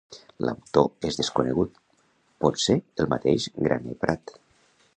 L'autor és desconegut, potser el mateix Graner Prat.